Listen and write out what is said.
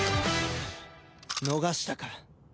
逃したか。